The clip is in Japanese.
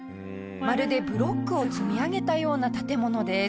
まるでブロックを積み上げたような建物です。